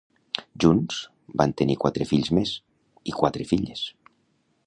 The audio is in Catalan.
Junts van tenir quatre fills més i quatre filles.